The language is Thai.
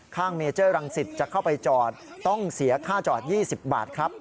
เมเจอร์รังสิตจะเข้าไปจอดต้องเสียค่าจอด๒๐บาทครับ